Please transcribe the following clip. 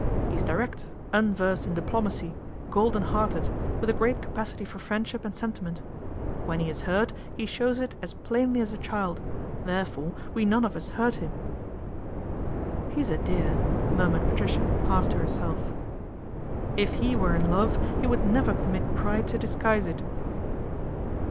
He is direct, unversed in diplomacy, golden hearted, with a great capacity for friendship and sentiment. When he is hurt he shows it as plainly as a child, therefore we none of us hurt him." " He's a dear !" murmured Patricia half to herself. " If he were in love he would never permit pride to disguise it."